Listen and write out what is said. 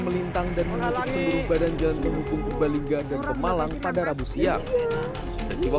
melintang dan menghalangi badan jalan penumpung kebalingga dan pemalang pada rabu siang resiwa